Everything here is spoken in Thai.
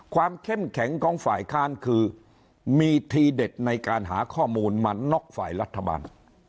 เข้มแข็งของฝ่ายค้านคือมีทีเด็ดในการหาข้อมูลมาน็อกฝ่ายรัฐบาล